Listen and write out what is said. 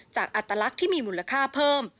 อัตลักษณ์ที่มีมูลค่าเพิ่ม